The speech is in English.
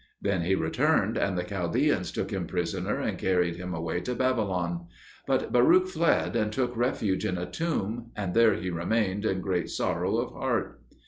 Then he returned, and the Chaldeans took him prisoner and carried him away to Babylon. But Baruch fled, and took refuge in a tomb, and there he remained in great sorrow of heart.